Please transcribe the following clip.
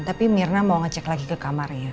tapi mirna mau ngecek lagi ke kamarnya